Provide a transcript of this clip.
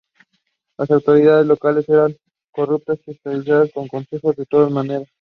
Las autoridades locales eran corruptas y obstaculizaron sus consejos de todas maneras.